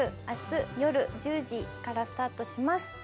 明日よる１０時からスタートします